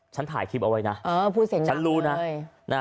ฉันถ่ายคลิปเอาไว้นะฉันรู้นะ